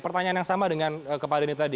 pertanyaan yang sama dengan kepada ini tadi